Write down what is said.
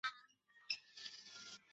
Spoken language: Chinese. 刈羽郡在历史上曾经出现过两次。